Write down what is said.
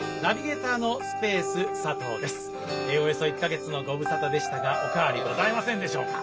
およそ１か月のご無沙汰でしたがお変わりございませんでしょうか。